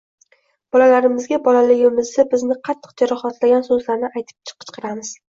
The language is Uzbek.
Bolalarimizga bolaligimizda bizni qattiq jarohatlagan so‘zlarni aytib qichqiramiz.